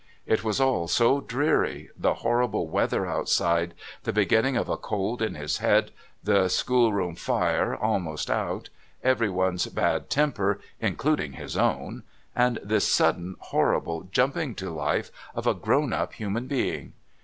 It was all so dreary, the horrible weather outside, the beginning of a cold in his head, the schoolroom fire almost out, everyone's bad temper, including his own, and this sudden horrible jumping to life of a grown up human being.